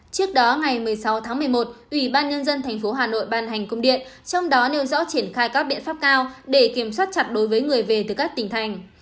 trước đó ngày một mươi sáu tháng một mươi một ủy ban nhân dân tp hà nội ban hành công điện trong đó nêu rõ triển khai các biện pháp cao để kiểm soát chặt đối với người về từ các tỉnh thành